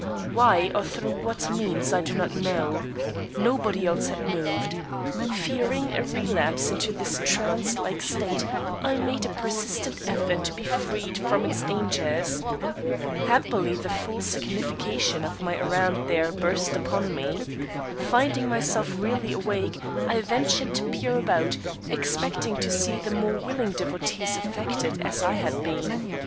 Why or through what means I do not know. Nobody else had moved. Fearing a relapse into this trance like state, I made a persistent effort to be freed from its dangers. Happily the full signification of my errand there burst upon me. Finding myself really awake, I ventured to peer about, expecting to see the more willing devotees affected as I had been.